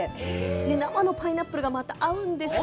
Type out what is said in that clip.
生のパイナップルがまた合うんですよ。